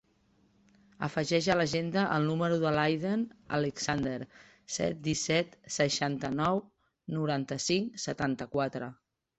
Afegeix a l'agenda el número de l'Aiden Aleixandre: set, disset, seixanta-nou, noranta-cinc, setanta-quatre.